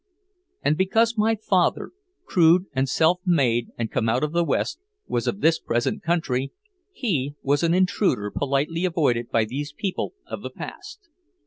And because my father, crude and self made and come out of the West, was of this present country, he was an intruder politely avoided by these people of the past.